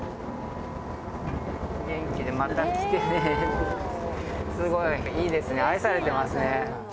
元気でまた来てねって、すごいいいですね、愛されてますね。